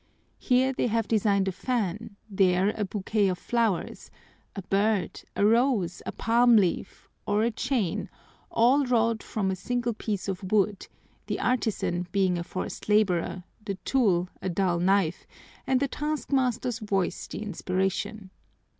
Here they have designed a fan, there a bouquet of flowers, a bird, a rose, a palm leaf, or a chain, all wrought from a single piece of wood, the artisan being a forced laborer, the tool a dull knife, and the taskmaster's voice the inspiration.